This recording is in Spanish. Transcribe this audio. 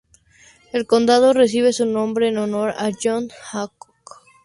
El condado recibe su nombre en honor a John Hancock.